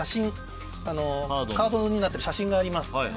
カードになっている写真があります。